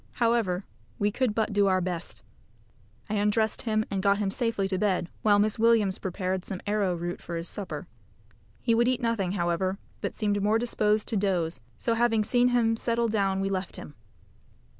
However, we could but do our best. I undressed him and got him safely to bed, while Miss Williams prepared some arrowroot for his supper. He would eat nothing, however, but seemed more disposed to dose, so having seen him settle down we left him.